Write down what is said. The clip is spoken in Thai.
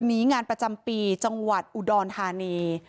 งานประจำปีจังหวัดอุดรธานี